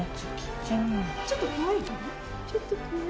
ちょっと怖いかな？